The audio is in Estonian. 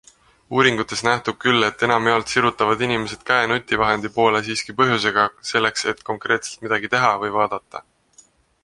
Uuringutest nähtub küll, et enamjaolt sirutavad inimesed käe nutivahendi poole siiski põhjusega, selleks et konkreetselt midagi teha või vaadata.